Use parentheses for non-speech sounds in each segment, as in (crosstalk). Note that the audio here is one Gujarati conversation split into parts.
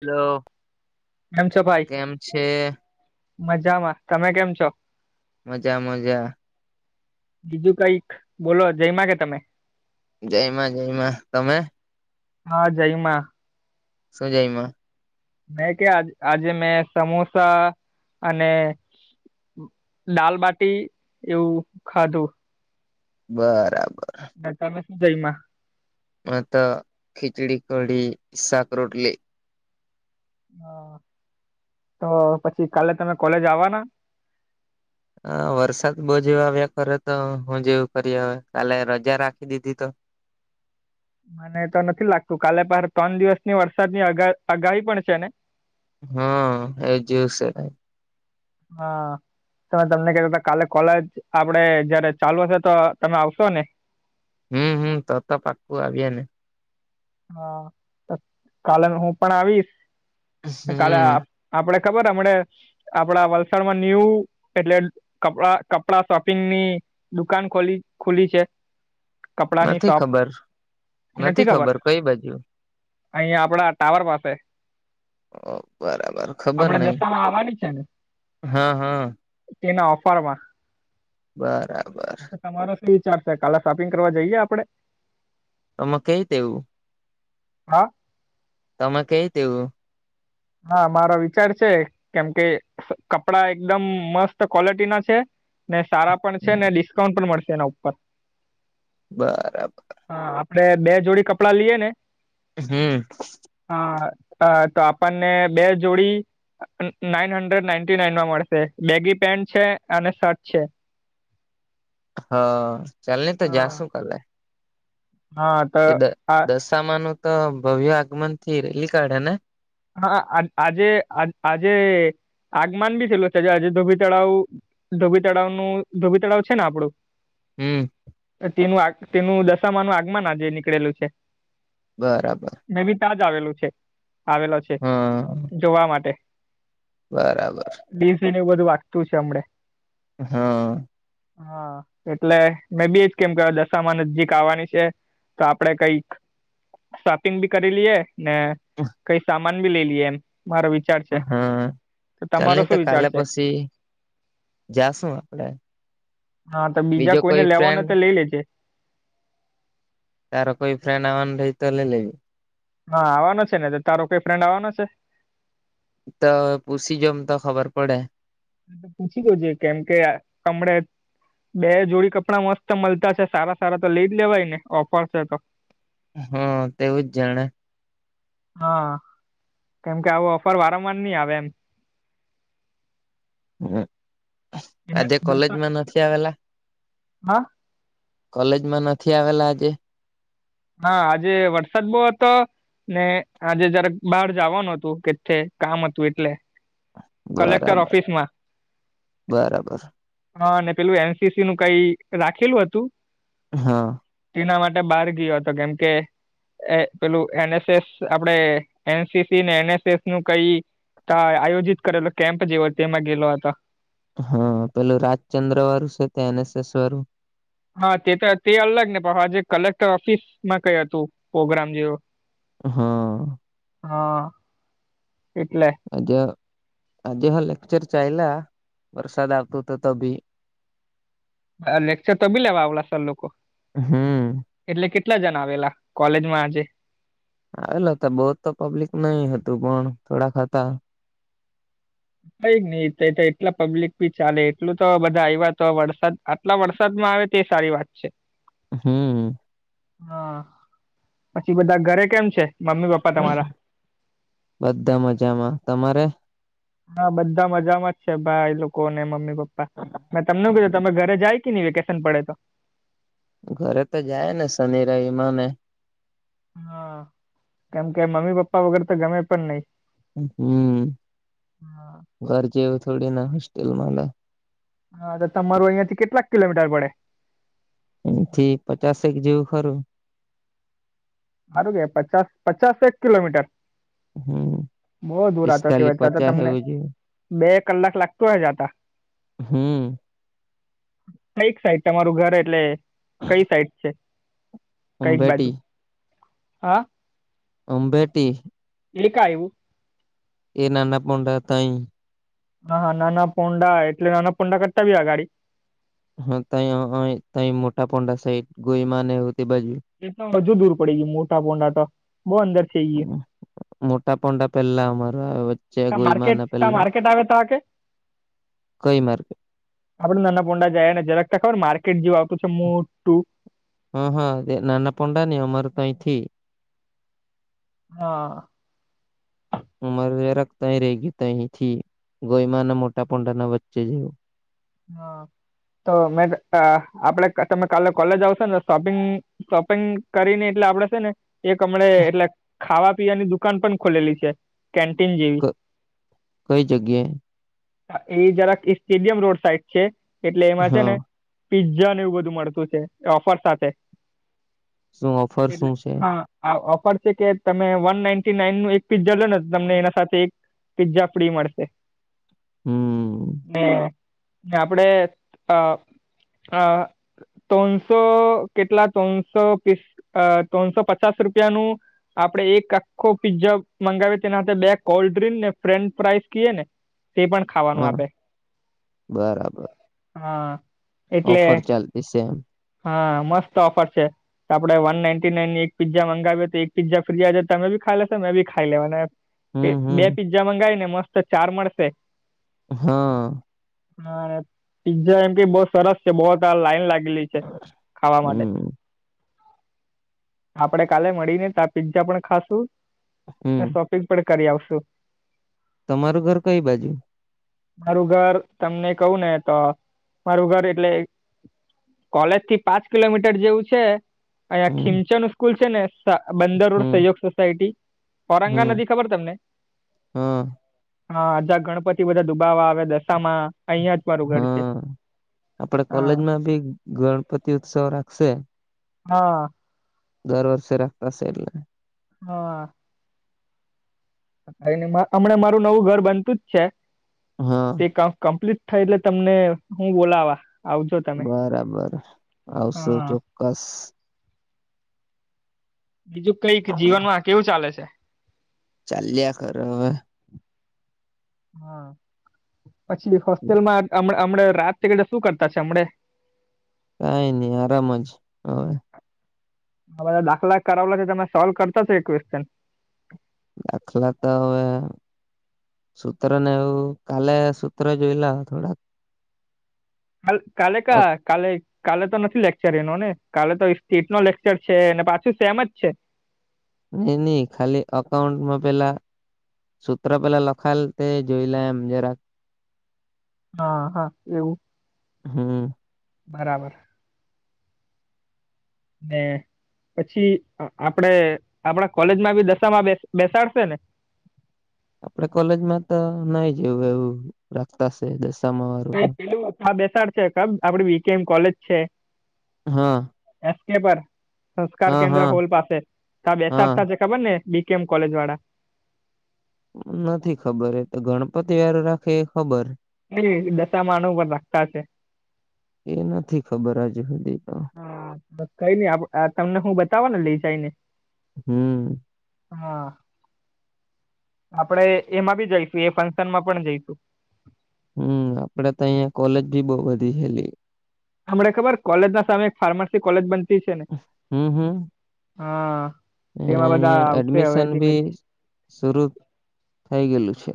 હલો કેમ છો ભાઈ કેમ છે. મજામાં તમે કેમ છો. મજા મજા. બીજું કઈક બોલો જય માંગ તમે. જયમાં જયમાં તમે. હા જયમાં. સું જાઈમાં. મેં કે આ આજે મેં સમોસા અને. દાલબટી એવું ખાધું. બરાબર. ના તમે શું જઈમાં. આત ખિચડી કડી સાક રોટલી. હા તો પછી કાલે તમે કોલેજ આવવા ના. હ વરસાદ બહુ જેવા આવ્યા ખરે તો હું જેવું કરી હવે કાલે રજા રાખી દીધી તો. મને તો નથી લાગતું કાલે પાર ત્રણ દિવસની વરસાદ ની અગાહી પણ છે ને. હા એ જુ છે. હા. તમે તમને કધ કાલે કોલેજ આપડે જયારે ચાલુ હશે તો તમે આવશો ને. હમ હમ તો તો પાખું આવીયાને. હા કાલે હું પણ આવીશ કાલે. હમ આપડે ખબર અમણે. આપડા વલસાડમાં ન્યુ એટલે કપડા કપડા શોપિંગ ની. દુકાન ખોલી ખુલી છે કપડાની નથી શોપ નથી ખબર. કંઈ બાજુ. અહીયાંયા આપડા ટાવર પાસે. ઓ બરાબર ખબર આપડા નઈ ત્યાં દશામાં આવવાની છે ને. હા હા તેના ઓફરમાં. બરાબર. તમારો શું વિચાર છે? કાલે શોપિંગ કરવા જઈએ આપડે? તમે કંઈ દેવું. હા. તમે કંઈ તેવું. હા, મારો વિચાર છે, કેમ કે કપડા એકદમ મસ્ત ક્વોલિટી ના છે. ને સારા પણ છે ને, હમ ડિસ્કાઉન્ટ પણ મળશે એના ઉપર. બરાબર. હા, આપડે બે જોડી કપડાં લઈએ ને. હમ. હા, તો આપણને બે જોડી. નાઈન હન્ડ્રેડ નાઈન્ટી નાઈનમાં મળશે. બેગી પેન્ટ છે અને શર્ટ છે. હા, ચાલ તો હા જાશું કરે. હા. તો એ આ દશામા નું તો ભવ્ય આગમન થી રેલી કાઢે ને. હા, આજે આજે આગમાન બી થયેલું છે, જ આજે ધોબી તળાવ. ધોબીતળાવનું ધોબી તળાવ છે ને, આપડું. હમ. તેનું આ તેનું દશામા નનું આગમન આજે નીકળેલું છે. બરાબર. મે બી ત્યાંજ આવેલું છે આવેલ છે હા જોવા માટે. બરાબર. ડીસી ન બધું વાગતું છે હમડે. હા. હા. એટલે મેં બી એ જ કેતો હતો દશામાં નજીક આવવાની છે, તો આપડે કંઈક શોપિંગ બી કરી લઈએ ને. ઓ. કઈ સામાન ભી લે લીએ મારા વિ. હા, ચાલ, નઈ તો વિચાર કાલે છે પછી જાશું આપડે. હા, તો બીજા બીજો કોઈને કોઈ લેવાનું ફ્રેન્ડ તો લઈ લેજે. તારે કોઈ ફ્રેન્ડ આને રઈ તો લેવી. હા, આવવાનો છે ને તારો કંઈ ફ્રેન્ડવાનો છે? તો પૂસીજમ તો ખબર પડે. તો પૂછી છે, કેમ કે કમળ. બે જોડી કપડાં મસ્ત મળતા છે, સારા સારા. તો લઈ લેવાય ને, ઓફર છે તો હા, તેવું જ જાણે. હા, કેમકે આવો ઓફર વારંવાર નહીં આવે એમ. હ, આજે કોલેજમાં નથી આવેલા. હા. કોલેજમાં નથી આવેલા આજે. હા આજે વરસાદ બહુ હતો. ને આજે જરાક બાર જાવાનું હતું કેઠે કામ હતું એટલે. કલેક્ટર બરાબર ઓફિસમાં. બરાબર હા, અને પેલું એનસીસી નું કંઈ રાખેલું હતું. હા. ના, માટે બહાર ગયો હતો, કેમ કે એ પેલું એનએસએસ આપડે એનસીસી ને એનએસએસ નું કઈ તા આયોજિત કરેલો કેમ્પ જેવો તેમાં ગેલો હતો. હહ પેલું રાજચંદ્ર વારુ છે ત એનએસએસ વારુ. હા તે તો તે અલગ ને પણ આજે કલેક્ટર ઓફિસમાં કઈ હતું પોગ્રામ જેવું. હહ હહ એટલે. આજ આજે હ લેકચર ચાયલા વરસાદ આવતો તો તોભી. હહ લેક્ચર તો બી લેવા આવલા સર લોકો. હમ એટલે કેટલા જન આવેલા કોલેજમાં આજે? એલે તો બહુ તો પબ્લિક નહી હતું પણ થોડાક હતા. કઈ નઈ તે તો એટલા પબ્લિક ભી ચાલે એટલું તો બધા આયવા તો વરસાદ આટલા વરસાદમાં આવે તે સારી વાત છે. હમ હા પછી બધા ઘરે કેમ છે મમ્મી પપ્પ બધા મજામાં. તમારે? હા બધા મજામાં જ છે ભાઈ લોકોને મમ્મી પપ્પા મેં તમને હું કીધું તમે ઘરે જાઈ. કીની વેકેશન પડે તો. ઘરે તો જાયને શનિ રવિ માંને. હહ કેમ કે મમ્મી પપ્પા વગર તો ગમે પણ નહી. હમ ઘર જેવું થોડી ના હોસ્ટેલ મલે. હા તો તમારું અહિયાંથી કેટલાક કિલોમીટર પડે? અહીંથી પચાસેક જેવું ખરું. હારુ કેવાય પચાસ પચાસેક કિલોમીટર? હમ બોવ દૂર આતો પિસ્તાલી કેવાય તો તો પચાસ તમને એવું જેવું બે કલાક લાગતું હે જાતા. હમ કંઈક સાઈડ તમારું ઘર એટલે કઈ સાઈડ છે? કઈક બાજુ ઉમભેટી. હા? ઉમભેટી. એ કા આયવુ? એ નાના પોંઢા તઈ. હહ હહ નાના પોન્ડા એટલે નાના પોંડા કરતા બી આગાડી? હા તઈ અઈ તઈ મોટા પોંડા સાઈટ ગોઈમાં ને એવું તે બાજુ. એતો હજુ દૂર પડી ગયું મોટા પોંડા તો બહુ અંદર થઈ ગયું હહ મોટા પોંડા પેલા અમારો આવે વચ તા માર્કેટ તા માર્કેટ આવે તાકે? કઈ માર્કેટ આપડે નાના પોંડા ગયા ને જરાક તા ખબર હે માર્કેટ જેવું આવતું છે મોટું. હહ હહ નાના પોંડાને એ અમારે તો અઈથી હહ (inaudible) ઉમરરેરક તઈ રહી ગયું તહીથી ગોયમાંના મોટા પોંડાના વચ્ચે જેવું. હહ તો મે અ આપડે તમે કાલે કોલેજ આવશો ને શોપિંગ. શોપિંગ કરીને એટલે આપડે સે ને એક હમણે એટલે ખાવા પીવાની દુકાન પન ખોલેલી છે. કેન્ટીન ક જેવી. કઈ જગ્યાએ હા એ જરાક ઈ સ્ટેડિયમ રોડ સાઇટ છે એટલે એમાં છે હા ને પીઝાને એવું બધું મળતું છે એ ઓફર સાથે. શું ઓફર એટલે શું છે હા આ ઓફર છે કે તમે વન નાઇન્ટી નાઈનનું એક પિઝા જો ને તમને એના સાથે એક પીઝા ફ્રી મળશે. હમ હ. આપડે અ આ. ત્રણસો કેટલા ત્રણસો પીસ ત્રણસો પચાસ રૂપિયાનું. આપડે એક આખો પીઝા મંગાવીએ તેના બે કોલ્ડ્રિંક ને ફ્રેન્ચ ફ્રાઈઝ કએ ને. તે પણ. ખાવાનું હા આપે બરાબર. હા. એટલે ઓફર ચાલતી સેમ. હા મસ્ત ઓફર છે. તો આપણે વન નાઇન્ટી નાઇન એક પીઝા મંગાવીએ તો એક પીઝા ફ્રીજ તો તમે બી ખાઈ લેશો મેં બી ખાઈ લેવા ના એમ. હમ બે હમ પી્ઝા મંગાવી ને મસ્ત ચાર મળશે. હા. હા પી્ઝા એમ કે બહ સરસ છે બહત લાઈન લાગેલી છે. હ. (unintelligible) ખાવા માટે આપડે કાલે મળી ને તો આ પીઝા પણ ખાશું. હમ શોપિંગ પણ કરી આવશુ. તમારું ઘર કઈ બાજુ. મારું ઘર તમને કવું ને તો મારું ઘર એટલે. કોલેજ થી પાંચ કિલોમીટર જેવું છે અહિયાં હમ ખીમચો નું સ્કૂલ છે ને. બંદરડ હમ સહયોગ સોસાયટી ઔરંગા હમ નદી ખબર તમને. હા હા હજા ગણપતિ બધા દુબાવા આવે દશામાં. અહિયાં જ મારું ઘર છે હા આપડે હા કોલેજમાં ભી ગણપતિ ઉત્સવ રાખશે. હા. દર વર્ષ રાખતાશે એલ્લે. હા. હમણાં મારું નવું ઘર બનતું જ છે. હા. તે કમ્પ્લીટ થાય એટલે તમને હું બોલાવા. આવજો તમે બરાબર આવશો હા ચોક્કસ. બીજું કઈક જીવન માં કેવું ચાલે છે. ચાલ્યા કરે. હા પછી હોસ્ટેલમાં હમણા રાત શું કરતા છે અમણે. કઈ નહી આરામ જ હ. હ બધા દાખલા કરાવલા છે તમે સોલ્વ કરતાો એક ક્વેશ્ચન. દાખલા તો હવે. સ સુતર નને આવવ કાલે સ સુતર જોઈલા થોડા. કાલ કાલે કા કાલે. કાલે તો નથી લેક્ચર એનો ને કાલે તો સ્ટેટ નો લેક્ચર છે અનેને પાછું સેમ જ છે. નઈ નહી ખાલી અકાઉન્ટમાં પેલા. સૂત્ર પેલા લખાયલ તે જોઈ લજ રા. હા હા એવું. હમ. બરાબર. ને પછી આપડે આપણા કોલેજ માં બી દશામાં બેસાડશે ને. આપડે કોલેજમાં તો નહી જેવું એવું રાખતા છે દશામાં વાળું તો. એ પેલું હા, બેસાડ છે આપડી બી કેમ કોલેજ છે. હા. એસ કે પર સંસ્કાર હા, કેન્દ્ર હા, હોલ પાસે ત હા. બેસાતા જ. ખબરને બી કેમ કોલેજ વાળા. નથી ખબર એ તો ગણપતિ વાળું રાખે એ ખબર. ને દશા માણ ઉપર રાખતા છે. એ નથી ખબર આજે સુધી તો. હા, બ કઈ નઈ આ તમને હું બતાવો ને લઈ જઈને. હમ્મ. હા. આપડે એમાં બી જઈશું એ ફંક્શનમાં પણ જઈશું. હમ્મ આપડે તો અહિયાં કોલેજ ભી બહુ બધી છેલી. હમને ખબર કોલેજ ના સામે એક ફાર્માસી કોલેજ બનતી છે ને હમ, હમ. હા, તેમાં બધા આવશે હવે ધીમે ધી સશરુ થઈ ગઈલી છે.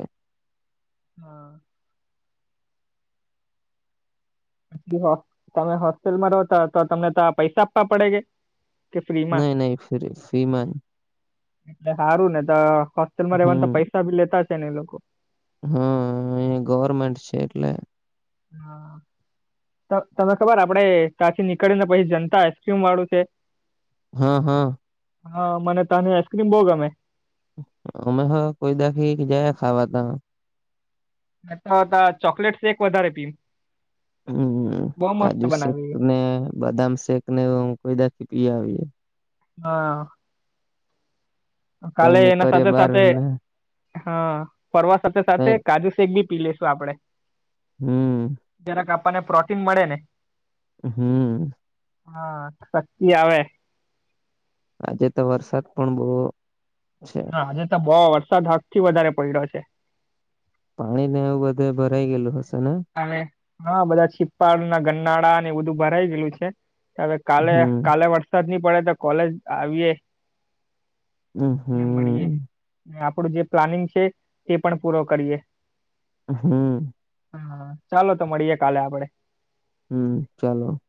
હા. (inaudible) હો પછી તમે હોસ્ટેલમાં રહોતા તો તમને તો આ પૈસા આપવા પડે ગે. નહી નહી ફ્રી ફ્રીમાંન એટલે સારું ને તો હોસ્ટેલમાં રેવાને તો હમ, પૈસા ભી લેતા છે ને એ લોકો? હા, એ ગવર્મેન્ટ છે એટલે. હા. તમે ખબર આપડે ત્યાંથી નીકળી ને પછી જનતા આઈસક્રીમ વાળું છે? હા, હા. હા, મને તા ની આઈસ્ક્રીમ બહુ ગમે. અમે હ કોઈ દાખી જયા ખાવા ત. મેં તો તા ચોકલેટ શેક વધારે પી. હમ્મ કાજુ શેક બનાવી ને બદામ શેક ને કોઈદાથી પી આવીએ. હા. તઈ કાલે એના નીકળે સાથે બાર સાથે ને હા, ફરવા સાથે તઈ સાથે કાજુ શેક ભી પી લેશું આપડે. હમ્મ. જ્યારેક આપણને પ્રોટીન મળે ને. હમ્મ. હા, શકિત આવે. આજે તો વરસાદ પણ બહુ છે. હા આજે તો બહુ વરસાદ હદ થી વધારે પડ્યો છે. પાણી ને એવું બધે ભરાઈ ગયેલું હશે ને? હા રે હા બધા છીપ્પાડ ના ગનનાળા ને એ બધું ભરાઈ ગયેલું છે. અવે કાલે, હમ કાલે વરસાદ નહી પડે તો કોલેજ આવીયે. હમ ને મળીએે. હમ ને આપડું જે પ્લાનિંગ છે તે પણ પૂરો કરીએ. હમ્મ. હા, ચાલો તો મળીએે કાલે આપડે. હમ્મ, ચાલો.